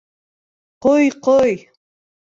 Ҡой, ҡой!